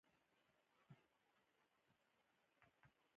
هلمند سیند د افغان ماشومانو د زده کړې یوه موضوع ده.